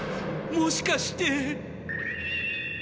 もしかして。